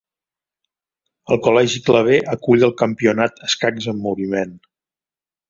El Col·legi Claver acull el campionat 'Escacs en moviment'.